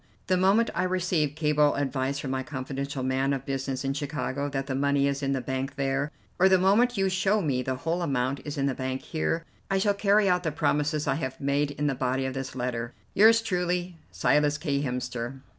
The moment I receive cable advice from my confidential man of business in Chicago that the money is in the bank there, or the moment you show me the whole amount is in the bank here, I shall carry out the promises I have made in the body of this letter. "Yours truly, "SILAS K. HEMSTER."